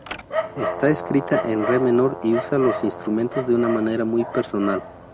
Está escrita en re menor y usa los instrumentos de una manera muy personal.